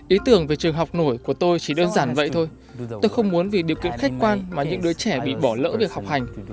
ý tưởng về trường học nổi của tôi chỉ đơn giản vậy thôi tôi không muốn vì điều kiện khách quan mà những đứa trẻ bị bỏ lỡ việc học hành